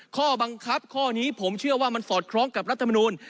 ข้อบังคับข้อนี้ผมเชื่อว่ามันสอดคล้องกับรัฐมนูล